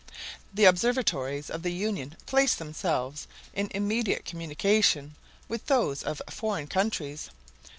The observatories of the Union placed themselves in immediate communication with those of foreign countries.